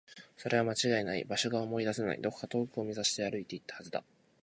それは間違いない。場所が思い出せない。どこか遠くを目指して歩いていったはずだ。